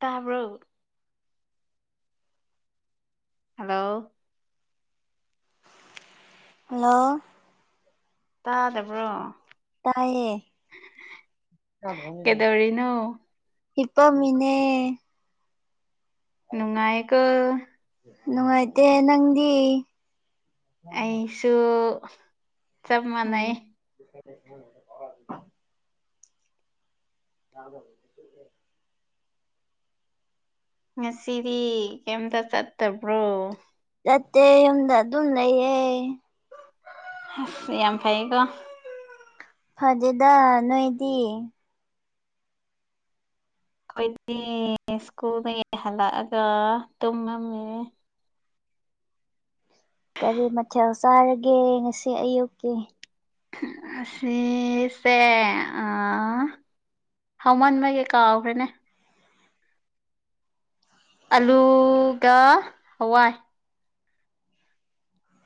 ꯇꯥꯕꯔꯣ hello hello ꯇꯥꯗꯕ꯭ꯔꯣ ꯇꯥꯏꯌꯦ ꯀꯩꯗꯧꯔꯤꯅꯣ ꯍꯤꯄꯝꯃꯤꯅꯦ ꯅꯨꯡꯉꯥꯏꯌꯦꯀꯣ ꯅꯨꯡꯉꯥꯏꯇꯦ ꯅꯪꯗꯤ ꯑꯩꯁꯨ ꯆꯞ ꯃꯥꯟꯅꯩꯌꯦ [unintelligible] [unintelligible] ꯉꯁꯤꯗꯤ ꯀꯩꯝꯇ ꯆꯠꯇꯕ꯭ꯔꯣ ꯆꯠꯇꯦ ꯌꯨꯝꯗ ꯑꯗꯨꯝ ꯂꯩꯌꯦ ꯌꯥꯝ ꯐꯩꯀꯣ ꯐꯗꯦꯗ ꯅꯣꯏꯗꯤ ꯑꯩꯈꯣꯏꯗꯤ ꯁ꯭ꯀꯨꯜꯗꯒꯤ ꯍꯜꯂꯛꯑꯒ ꯇꯨꯝꯃꯝꯃꯦ ꯀꯔꯤ ꯃꯊꯦꯜ ꯆꯥꯔꯒꯦ ꯉꯁꯤ ꯑꯌꯨꯛꯀꯤ ꯉꯁꯤꯁꯦ ꯑ ꯍꯥꯎꯃꯟꯕꯒꯤ ꯀꯥꯎꯈ꯭ꯔꯦꯅꯦ ꯑꯂꯨꯒ ꯍꯋꯥꯏ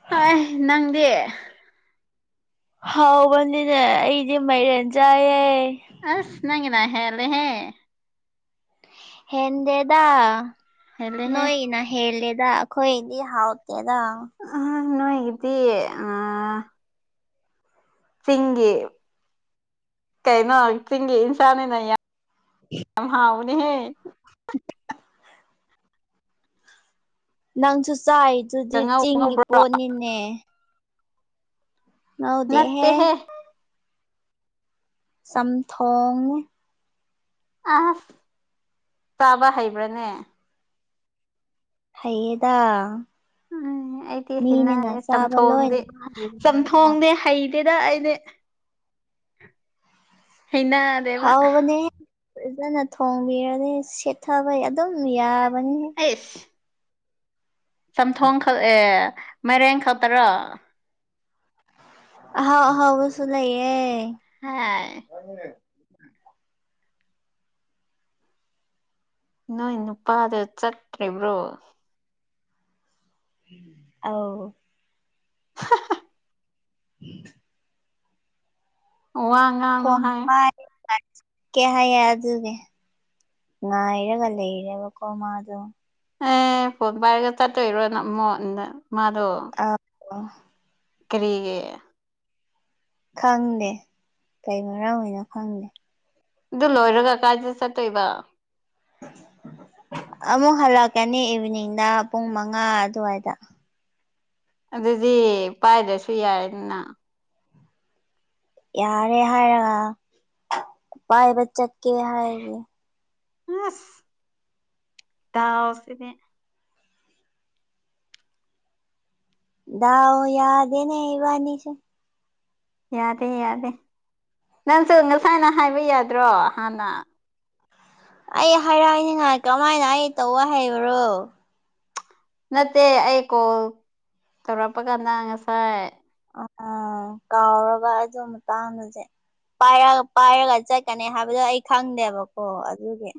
ꯍꯣꯏ ꯅꯪꯗꯤ ꯍꯥꯎꯕꯅꯤꯅꯦ ꯑꯩꯗꯤ ꯃꯥꯏꯔꯦꯟ ꯆꯥꯏꯌꯦ ꯑꯁ ꯅꯪꯒꯤꯅ ꯍꯦꯂꯦ ꯍꯦ ꯍꯦꯟꯗꯦꯗꯥ ꯍꯦꯜꯂꯦꯍꯦ ꯅꯣꯏꯒꯤꯅ ꯍꯦꯟꯂꯦꯗ ꯑꯈꯣꯏꯗꯤ ꯍꯥꯎꯇꯦꯗ ꯑ ꯅꯣꯏꯒꯤꯗꯤ ꯑ ꯆꯤꯡꯒꯤ ꯀꯩꯅꯣ ꯆꯤꯡꯒꯤ ꯏꯟꯁꯥꯡꯅꯤꯅ ꯌꯥꯝ ꯍꯥꯎꯕꯅꯤ ꯍꯦ [unintelligible] ꯅꯪꯁꯨ ꯆꯥꯏꯗꯨꯗꯤ ꯀꯥꯡꯉꯧ ꯆꯤꯡꯒꯤ ꯉꯧꯕ꯭ꯔꯣ ꯄꯣꯠꯅꯤꯅꯦ [unintelligible] ꯅꯠꯇꯦꯍꯦ ꯗꯦꯍꯦ ꯆꯝꯊꯣꯡꯅꯦ ꯑ ꯆꯥꯕ ꯍꯩꯕ꯭ꯔꯥꯅꯦ ꯍꯩꯌꯦꯗ ꯎꯝ ꯑꯩꯗꯤ ꯃꯤꯅꯅ ꯍꯩꯅꯗꯦ ꯆꯥꯕ ꯆꯝꯊꯣꯡꯗꯤ ꯂꯣꯏꯅꯃꯛ ꯍꯩꯕꯅꯤꯅ ꯆꯝꯊꯣꯡꯗꯤ ꯍꯩ... ꯇꯦꯗ ꯑꯩꯗꯤ ꯍꯩꯅ... ꯍꯥꯎꯕꯅꯦ ꯐꯖꯅ ꯊꯣꯡꯕꯤꯔꯗꯤ ꯁꯦꯠꯊꯕ ꯑꯗꯨꯝ ꯌꯥꯕꯅꯦꯍꯦ ꯑꯦꯁ ꯆꯝꯊꯣꯡ ꯈꯛ ꯑꯦ ꯃꯥꯏꯔꯦꯡ ꯈꯛꯇꯔꯣ ꯑꯍꯥꯎ ꯑꯍꯥꯎꯕꯁꯨ ꯂꯩꯌꯦ ꯍꯥꯏ ꯑ [unintelligible] ꯅꯣꯏ ꯅꯨꯄꯥꯗꯨ ꯆꯠꯇ꯭ꯔꯤꯕ꯭ꯔꯣ ꯑꯧ ꯎꯝ [unintelligible] ꯋꯥ ꯉꯥꯥꯡ [unintelligible] ꯀꯦ ꯍꯥꯏꯌꯦ ꯑꯗꯨꯒꯤ ꯉꯥꯏꯔꯒ ꯂꯩꯔꯤꯅꯦꯕꯀꯣ ꯃꯥꯗꯨ ꯑꯦ ꯐꯣꯟ ꯄꯥꯏꯔꯒ ꯆꯠꯇꯣꯏꯔꯣꯅ ꯃꯣꯟ ꯃꯥꯗꯣ ꯑꯥ ꯑꯣ ꯀꯔꯤꯒꯤ ꯈꯪꯗꯦ ꯀꯩ ꯃꯔꯝꯒꯤꯅꯣ ꯈꯪꯗꯦ ꯑꯗꯨ ꯂꯣꯏꯔꯒ ꯀꯥꯏꯗ ꯆꯠꯇꯣꯏꯕ ꯑꯃꯨꯛ ꯍꯜꯂꯛꯀꯅꯤ ꯏꯚꯤꯅꯤꯡꯗ ꯄꯨꯡ ꯃꯉꯥ ꯑꯗꯨꯋꯥꯏꯗ ꯑꯗꯨꯗꯤ ꯄꯥꯏꯗ꯭ꯔꯁꯨ ꯌꯥꯅꯤꯅ ꯌꯥꯔꯦ ꯍꯥꯏꯔꯒ ꯄꯥꯏꯕ ꯆꯠꯀꯦ ꯍꯥꯏꯔꯤ ꯑꯁ ꯗꯥꯎꯁꯤꯗꯤ ꯗꯥꯎ ꯌꯥꯗꯦꯅꯦ ꯏꯕꯅꯤꯁꯦ ꯌꯥꯗꯦ ꯌꯥꯗꯦ ꯅꯪꯁꯨ ꯉꯁꯥꯏꯅ ꯍꯥꯏꯕ ꯌꯥꯗ꯭ꯔꯣ ꯍꯥꯟꯅ ꯑꯩ ꯍꯥꯏꯔꯥꯏꯅꯤꯡꯉꯥꯏ ꯀꯃꯥꯏꯅ ꯑꯩ ꯇꯧꯑꯣ ꯍꯥꯏꯕꯔꯣ ꯅꯠꯇꯦ ꯑꯩ ꯀꯣꯜ ꯇꯧꯔꯛꯄ ꯀꯟꯗ ꯉꯁꯥꯏ ꯑ ꯀꯥꯎꯔꯕ ꯑꯗꯨ ꯃꯇꯥꯡꯗꯨꯗꯤ ꯄꯥꯏꯔꯒ ꯄꯥꯏꯔꯒ ꯆꯠꯀꯅꯤ ꯍꯥꯏꯕꯗꯣ ꯑꯩ ꯈꯪꯗꯦꯕꯀꯣ ꯑꯗꯨꯒꯤ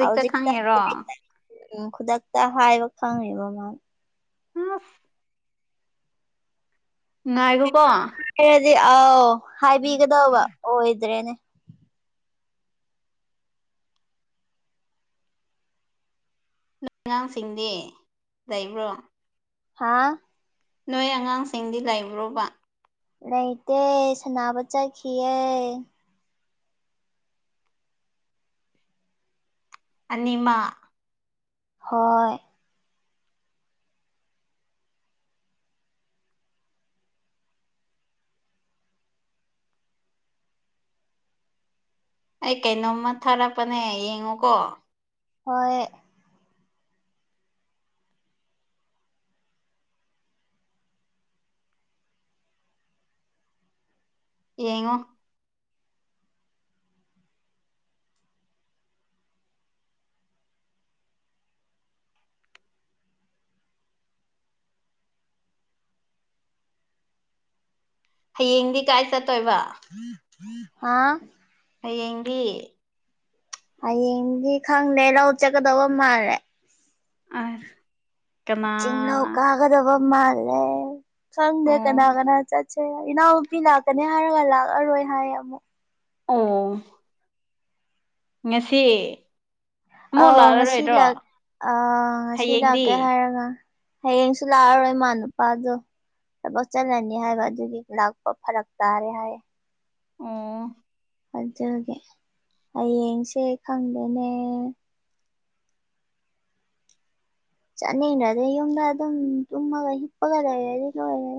ꯍꯧꯖꯤꯛꯇ ꯈꯪꯉꯤꯔꯣ ꯑꯁ ꯎꯝ ꯈꯨꯗꯛꯇ ꯍꯥꯏꯕ ꯈꯪꯉꯦꯕ ꯃꯥꯅ ꯎꯝ ꯉꯥꯏꯔꯣꯀꯣ [unintelligible] ꯑꯥꯎ ꯍꯥꯏꯕꯤꯒꯗꯧꯕ ꯑꯣꯏꯗ꯭ꯔꯦꯅꯦ ꯅꯪ ꯑꯉꯥꯡꯁꯤꯡꯗꯤ ꯂꯩꯕ꯭ꯔꯣ ꯍꯥꯥ ꯅꯣꯏ ꯑꯉꯥꯡꯁꯤꯡꯗꯤ ꯂꯩꯕ꯭ꯔꯣꯕ ꯂꯩꯇꯦ ꯁꯥꯟꯅꯕ ꯆꯠꯈꯤꯌꯦ ꯑꯅꯤ ꯃꯥ ꯍꯣꯏ ꯑꯩ ꯀꯩꯅꯣꯝꯃ ꯊꯥꯔꯛꯄꯅꯦ ꯌꯦꯡꯉꯣꯀꯣ ꯍꯣꯏ ꯌꯦꯡꯉꯣ ꯍꯌꯦꯡꯗꯤ ꯀꯥꯏ ꯆꯠꯇꯣꯏꯕ ꯍꯥꯥ ꯍꯌꯦꯡꯗꯤ ꯍꯌꯦꯡꯗꯤ ꯈꯪꯗꯦ ꯂꯧ ꯆꯠꯀꯗꯧꯕ ꯃꯥꯜꯂꯦ ꯑꯁ ꯀꯅꯥ ꯆꯤꯡꯂꯧ ꯀꯥꯒꯗꯕ ꯃꯥꯜꯂꯦ ꯈꯪꯗꯦ ꯑꯣ ꯀꯅꯥ ꯀꯅꯥ ꯆꯠꯁꯦ ꯏꯅꯥꯎꯄꯤ ꯂꯥꯛꯀꯅꯤ ꯍꯥꯏꯔꯒ ꯂꯥꯛꯑꯔꯣꯏ ꯍꯥꯏꯌꯦ ꯑꯃꯨꯛ ꯎꯝ ꯉꯁꯤ ꯑꯃꯨꯛ ꯑꯥꯎ ꯉꯁꯤ ꯂꯥꯛꯂꯔꯣꯏꯗ꯭ꯔꯣ ꯂꯛ ꯑꯥ ꯉꯁꯤ ꯍꯌꯦꯡꯗꯤ ꯂꯥꯛꯀꯦ ꯍꯥꯏꯔꯒ ꯍꯌꯦꯡꯁꯨ ꯂꯥꯛꯑꯔꯣꯏ ꯃꯥ ꯅꯨꯄꯥꯗꯣ ꯊꯕꯛ ꯆꯠꯂꯅꯤ ꯍꯥꯏꯕ ꯑꯗꯨꯒꯤ ꯂꯥꯛꯄ ꯐꯔꯛ ꯇꯥꯔꯦ ꯍꯥꯏꯌꯦ ꯑꯣ ꯑꯗꯨꯒꯤ ꯍꯌꯦꯡꯁꯦ ꯈꯪꯗꯦꯅꯦ ꯆꯥꯠꯅꯤꯡꯗ꯭ꯔꯗꯤ ꯌꯨꯝꯗ ꯑꯗꯨꯝ ꯇꯨꯝꯃꯒ ꯍꯤꯞꯄꯒ ꯂꯩꯔꯗꯤ ꯂꯣꯏꯔꯦ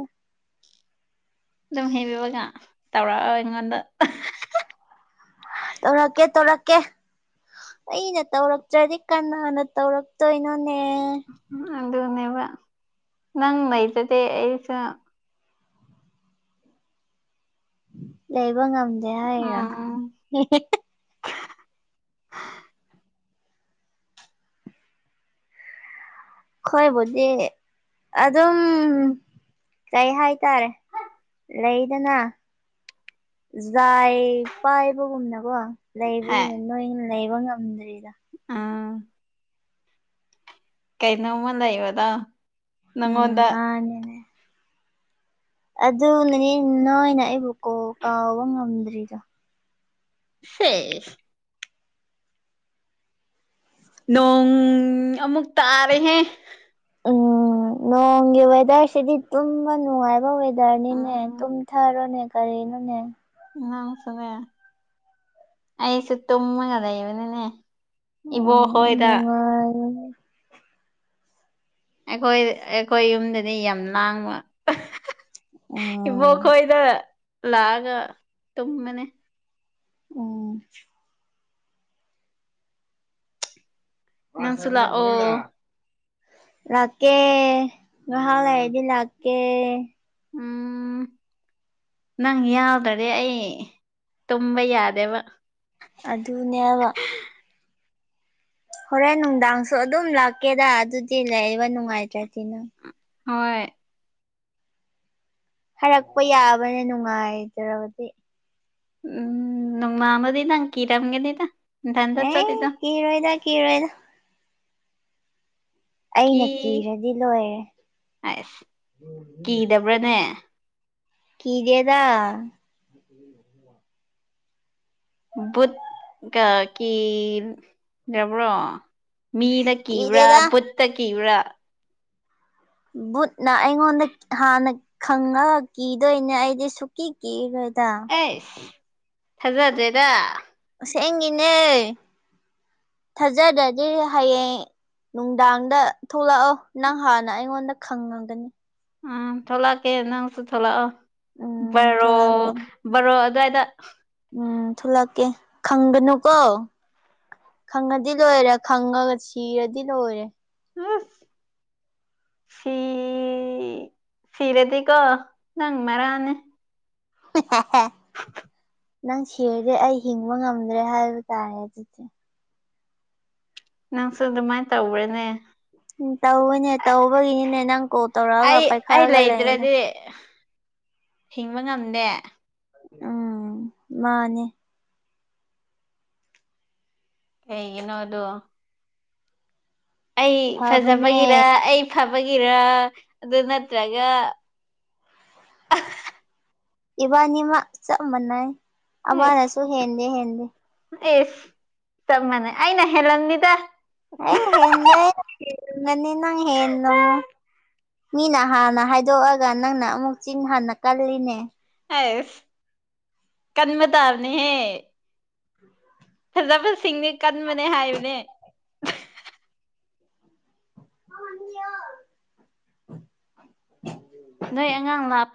ꯑꯗꯨꯝ ꯍꯩꯕꯤꯕꯒ ꯇꯧꯔꯛꯑꯣ ꯑꯩꯉꯣꯟꯗ ꯇꯧꯔꯛꯀꯦ ꯇꯧꯔꯛꯀꯦ ꯑꯩꯅ ꯇꯧꯔꯛꯇ꯭ꯔꯗꯤ ꯀꯅꯥꯅ ꯇꯧꯔꯛ ꯇꯣꯏꯅꯣꯅꯦ ꯑꯗꯨꯅꯦꯕ ꯅꯪ ꯂꯩꯇꯗꯤ ꯑꯩꯁꯨ ꯂꯩꯕ ꯉꯝꯗꯦ ꯍꯥꯏꯔꯤꯔꯣ ꯎꯝ ꯈꯣꯏꯕꯨꯗꯤ ꯑꯗꯨꯝ ꯀꯩ ꯍꯥꯏꯇꯥꯔꯦ ꯂꯩꯗꯅ ꯖꯥꯏ ꯄꯥꯏꯕꯒꯨꯝꯅꯀꯣ ꯂꯩꯕꯒꯤꯅꯦ ꯅꯣꯏꯅ ꯂꯩꯕ ꯉꯝꯗ꯭ꯔꯤꯗꯣ ꯑꯥ ꯀꯩꯅꯣꯃ ꯂꯩꯕꯗꯣ ꯎꯝ ꯅꯪꯉꯣꯟꯗ ꯃꯥꯅꯤꯅꯦ ꯑꯗꯨ ꯅꯅꯤ ꯅꯣꯏꯅ ꯑꯩꯕꯨ ꯀꯣ ꯀꯥꯎꯕ ꯉꯝꯗ꯭ꯔꯤꯗꯣ ꯁꯤꯦ ꯅꯣꯡ ꯑꯃꯨꯛ ꯇꯥꯔꯦꯍꯦ ꯎꯝ ꯅꯣꯡꯒꯤ ꯋꯦꯗꯔꯁꯤꯗꯤ ꯇꯨꯝꯕ ꯅꯨꯡꯉꯥꯏꯕ ꯗꯥꯔꯅꯤꯅꯦ ꯎꯝ ꯇꯨꯝꯊꯔꯣꯅꯦ ꯀꯔꯤꯅꯣꯅꯦ ꯏꯪ ꯁꯅꯦ ꯑꯩꯁꯨꯦ ꯇꯨꯝꯃꯒ ꯂꯩꯕꯅꯤꯅꯦ ꯏꯕ ꯎꯝ ꯍꯣꯗ ꯅꯨꯡꯉꯥꯏꯕꯅꯦ ꯑꯩꯈꯣꯏ ꯑꯩꯈꯣꯏ ꯌꯨꯝꯗꯗꯤ ꯌꯥꯝ ꯂꯥꯡꯕ ꯑꯣ ꯏꯕ ꯈꯣꯏꯗ ꯂꯥꯛꯑꯒ ꯇꯨꯝꯕꯅꯤ ꯑꯣ ꯅꯪꯁꯨꯂꯥꯛꯑꯣ ꯂꯥꯛꯀꯦ ꯉꯜ ꯍꯥꯏꯗꯤ ꯂꯥꯛꯀꯦ ꯎꯝ ꯅꯪ ꯌꯥꯎꯗ꯭ꯔꯗꯤ ꯑꯩ ꯇꯨꯝꯕ ꯌꯥꯗꯦꯕ ꯑꯗꯨꯅꯦꯕ ꯍꯣꯔꯦꯟ ꯅꯨꯡꯗꯥꯡꯁꯨ ꯑꯗꯨꯝ ꯂꯥꯛꯀꯦꯗ ꯑꯗꯨꯗꯤ ꯂꯩꯕ ꯅꯨꯡꯉꯥꯏꯇ꯭ꯔꯗꯤ ꯅꯪ ꯍꯣꯏ ꯍꯥꯏꯔꯛꯄ ꯌꯥꯕꯅ ꯅꯨꯡꯉꯥꯏꯖ꯭ꯔꯕꯗꯤ ꯎꯝ ꯅꯪ ꯀꯤꯔꯝꯒꯅꯤꯗ ꯅꯊꯟꯇ ꯑꯦ ꯆꯠꯂꯤꯗꯣ ꯀ ꯔꯣꯏꯗ ꯀ ꯔꯣꯏꯗ ꯀꯤ ꯑꯩꯅ ꯀꯤꯔꯗꯤ ꯂꯣꯏꯔꯦ ꯭ꯔꯦꯅꯦ ꯀꯗꯦꯗ ꯎ ꯎ ꯕꯨꯠ ꯀ ꯀ ꯌꯥꯕ꯭ꯔꯣ ꯃꯤꯅ ꯀꯤꯕ꯭ꯔꯥ ꯀꯤꯗꯦꯗ ꯕꯨꯠꯇ ꯀꯤꯕ꯭ꯔꯥ ꯕꯨꯠꯅ ꯑꯩꯉꯣꯟꯗ ꯍꯥꯟꯅ ꯈꯪꯉ ꯀꯤꯗꯣꯏꯅꯦ ꯑꯩꯗꯤ ꯁꯨꯛꯀꯤ ꯀꯤꯔꯦꯗ ꯁ ꯊꯖꯗ꯭ꯔꯦꯗ ꯑꯁꯦꯡꯒꯤꯅꯦ ꯊꯥꯖꯗꯗꯤ ꯍꯌꯦꯡ ꯅꯨꯡꯗꯥꯡꯗ ꯊꯣꯛꯂꯛꯑꯣ ꯅꯪ ꯍꯥꯟꯅ ꯑꯩꯉꯣꯟꯗ ꯈꯪꯉꯒꯅꯤ ꯑ ꯊꯣꯛꯂꯛꯀꯦ ꯅꯪꯁꯨ ꯊꯣꯛꯂꯛꯑꯣ ꯎꯝ ꯊꯣꯛꯂꯛꯀꯦ ꯔꯣ ꯑꯗꯨꯗꯋꯥꯏꯗ ꯎꯝ ꯊꯂꯛꯀꯦ ꯈꯪꯒ ꯅꯨꯀꯣ ꯈꯪꯉꯗꯤ ꯂꯣꯏꯔꯦ ꯈꯪꯉꯒ ꯁꯤꯔꯗꯤ ꯂꯣꯏꯔꯦ ꯎꯝ ꯁꯤꯔꯥꯗꯤꯀꯣ ꯅꯪ ꯃꯥꯔꯥꯟꯅꯤ [unintelligible] ꯅꯪ ꯁꯤꯔꯗꯤ ꯑꯩ ꯍꯤꯡꯕ ꯉꯝꯗ꯭ꯔꯦ ꯍꯥꯏꯕ ꯇꯥꯔꯦ ꯑꯗꯨꯗꯤ ꯅꯪꯁꯨ ꯑꯗꯨꯃꯥꯏꯅ ꯇꯧꯕ꯭ꯔꯅꯦ ꯎꯝ ꯇꯧꯕꯅꯦ ꯇꯧꯕꯒꯤꯅꯤꯅꯦ ꯅꯪ ꯀꯣꯜ ꯑꯩ ꯇꯧꯔꯛꯑꯒ ꯑꯩ ꯄꯥꯏꯈꯠꯂꯒ ꯂꯩꯩꯅꯣ ꯂꯩꯗ꯭ꯔꯗꯤ ꯍꯤꯡꯕ ꯉꯝꯗꯦ ꯎꯝ ꯃꯥꯅꯦ ꯀꯩꯒꯤꯅꯣ ꯑꯗꯣ ꯑꯩ ꯐꯖꯕꯒꯤꯔ ꯐꯕꯅꯦ ꯑꯩ ꯊꯥꯕꯒꯤꯔ ꯑꯗꯨ ꯅꯠꯇ꯭ꯔꯒ ꯏꯕꯥꯅꯤꯃꯛ ꯆꯞ ꯃꯥꯟꯅꯩ ꯑꯦꯁ ꯑꯃꯅꯁꯨ ꯍꯦꯟꯗꯦ ꯍꯦꯟꯗꯦ ꯑꯦꯁ ꯆꯞ ꯃꯅꯦ ꯑꯩꯅ ꯍꯦꯜꯂꯝꯗꯤꯗ ꯑ ꯍꯦ ꯃꯅꯤ ꯅꯪ ꯍꯦꯟ ꯅꯃ ꯃꯤꯅ ꯍꯥꯟꯅ ꯍꯥꯏꯗꯣꯛꯑꯒ ꯅꯪꯅ ꯑꯃꯨꯛ ꯆꯤꯡ ꯍꯥꯟꯟꯅ ꯀꯜꯂꯤꯅꯦ ꯑꯁ ꯀꯟꯕ ꯇꯥꯔꯅꯤꯍꯦ ꯐꯖꯕꯁꯤꯡꯗꯤ ꯀꯟꯕꯅꯦ ꯍꯥꯏꯕꯅꯦ ꯑꯌꯥ ꯅꯣꯏ ꯑꯉꯥꯡ ꯂꯥꯞ